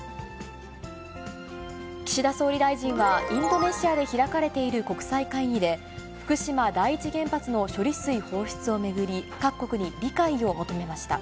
岸田総理大臣はインドネシアで開かれている国際会議で、福島第一原発の処理水放出を巡り、各国に理解を求めました。